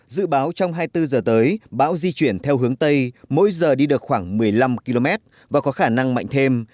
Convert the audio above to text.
dự báo trong hai mươi bốn giờ tới bão di chuyển theo hướng tây mỗi giờ đi được khoảng một mươi năm km và có khả năng mạnh thêm